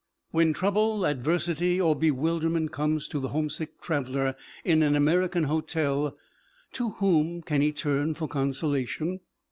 When trouble, adversity or bewilderment comes to the homesick traveler in an American hotel, to whom can he turn for consolation?